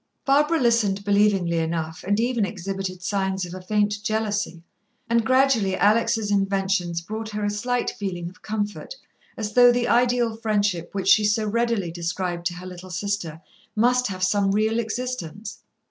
Barbara listened believingly enough, and even exhibited signs of a faint jealousy, and gradually Alex' inventions brought her a slight feeling of comfort, as though the ideal friendship which she so readily described to her little sister must have some real existence.